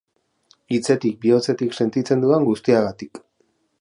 hitzetik, bihotzetik, sentitzen dudan guztiagatik.